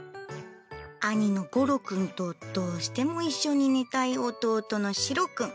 兄のゴロくんと、どうしても一緒に寝たい弟のシロくん。